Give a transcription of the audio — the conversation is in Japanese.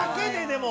でも。